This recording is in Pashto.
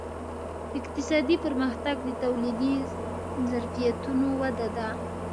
اقتصادي پرمختګ د تولیدي ظرفیتونو وده ده.